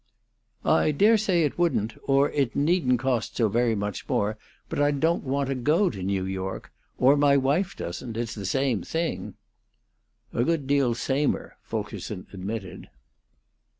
"I dare say it wouldn't or it needn't cost so very much more, but I don't want to go to New York; or my wife doesn't. It's the same thing." "A good deal samer," Fulkerson admitted.